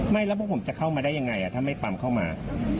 ไม่แล้วเราก็ผมจะเข้ามาได้ยังไงอ่ะถ้าไม่ปรัมเข้ามา